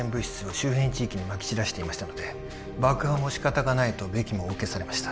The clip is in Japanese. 周辺地域にまき散らしていましたので爆破も仕方がないとベキもお受けされました